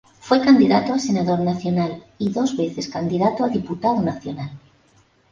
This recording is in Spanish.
Fue candidato a senador nacional y dos veces candidato a diputado nacional.